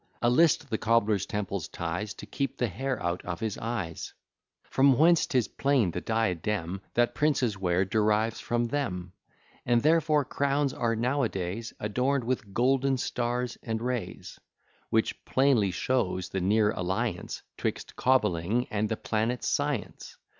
A list the cobbler's temples ties, To keep the hair out of his eyes; From whence 'tis plain the diadem That princes wear derives from them; And therefore crowns are now a days Adorn'd with golden stars and rays; Which plainly shows the near alliance 'Twixt cobbling and the planet's science.